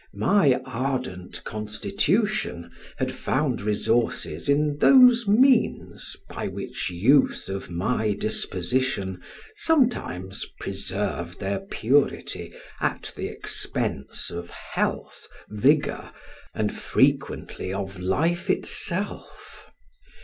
My ardent constitution had found resources in those means by which youth of my disposition sometimes preserve their purity at the expense of health, vigor, and frequently of life itself.